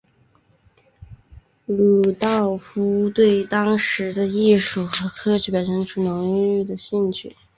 鲁道夫对当时的艺术和科学表现出浓厚的兴趣。